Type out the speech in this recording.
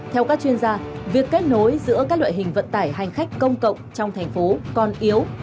theo các chuyên gia việc kết nối giữa các loại hình vận tải hành khách công cộng trong thành phố còn yếu